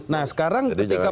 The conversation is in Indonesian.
nah sekarang ketika